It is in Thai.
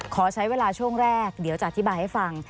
ขอใช้เวลาช่วงแรกเดี๋ยวจะอธิบายให้ฟัง